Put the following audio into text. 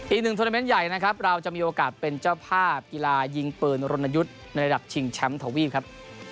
อีกหนึ่งโทรเมนต์ใหญ่นะครับเราจะมีโอกาสเป็นเจ้าภาพกีฬายิงปืนรณยุทธ์ในระดับชิงแชมป์ทวีปครับ